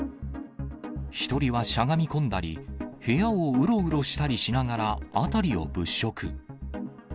１人はしゃがみ込んだり、部屋をうろうろしたりしながら、辺りを物色。